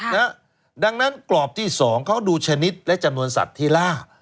ดังนั้นกรอบที่สองเขาดูชนิดและจำนวนสัตว์ที่ล่า